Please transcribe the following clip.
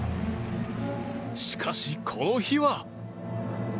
しかし、この日は。